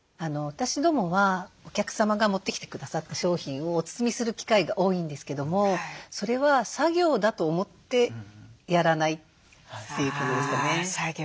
私どもはお客様が持ってきてくださった商品をお包みする機会が多いんですけどもそれは作業だと思ってやらないということですかね。